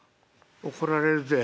怒られるで。